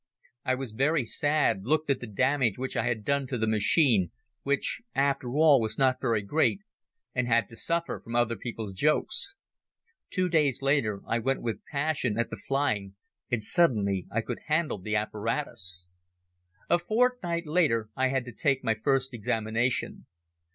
I was very sad, looked at the damage which I had done to the machine, which after all was not very great, and had to suffer from other people's jokes. Two days later I went with passion at the flying and suddenly I could handle the apparatus. A fortnight later I had to take my first examination.